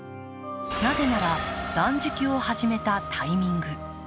なぜなら、断食を始めたタイミング。